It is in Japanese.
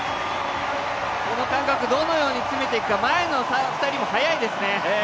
この間隔どのように詰めていくか前の２人も速いですね。